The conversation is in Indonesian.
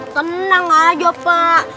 tenang aja pak